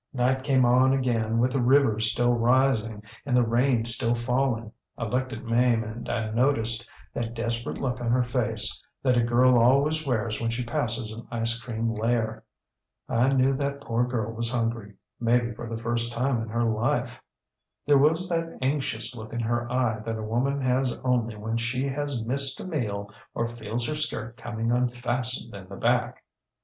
ŌĆ£Night came on again with the river still rising and the rain still falling. I looked at Mame and I noticed that desperate look on her face that a girl always wears when she passes an ice cream lair. I knew that poor girl was hungryŌĆömaybe for the first time in her life. There was that anxious look in her eye that a woman has only when she has missed a meal or feels her skirt coming unfastened in the back.